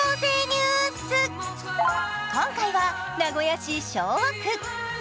今回は名古屋市昭和区。